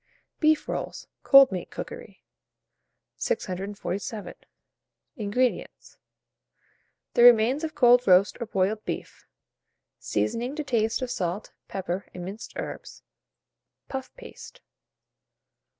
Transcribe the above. BEEF ROLLS (Cold Meat Cookery). 647. INGREDIENTS. The remains of cold roast or boiled beef, seasoning to taste of salt, pepper, and minced herbs; puff paste.